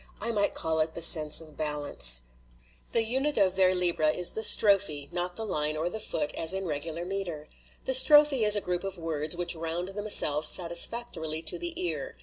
I might call it the sense of balance. 17 257 LITERATURE IN THE MAKING "The unit of vers libre is the strophe, not the line or the foot, as in regular meter. The strophe is a group of words which round themselves satis factorily to the ear.